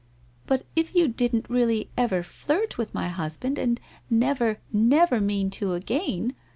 'But if you didn't really ever flirt with my husband and never, never mean to again